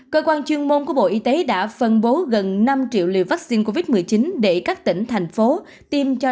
cơ quan chuyên môn của bộ y tế đã phân bố gần năm triệu liều vaccine covid một mươi chín để các tỉnh thành phố tiêm cho